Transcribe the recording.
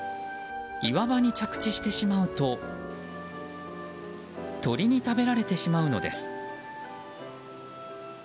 岩場に着地してしまうと鳥に食べられてしまうのです。